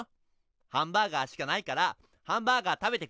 ハンバーガーしかないからハンバーガー食べてください。